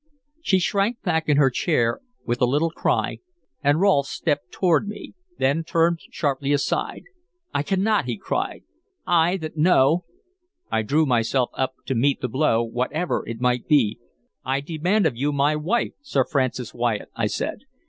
She shrank back in her chair with a little cry, and Rolfe stepped toward me, then turned sharply aside. "I cannot!" he cried, "I that know" I drew myself up to meet the blow, whatever it might be. "I demand of you my wife, Sir Francis Wyatt," I said.